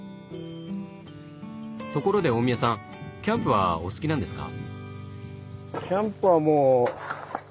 ところで大宮さんキャンプはお好きなんですか？